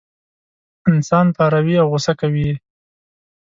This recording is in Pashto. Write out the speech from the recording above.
انسان پاروي او غوسه کوي یې.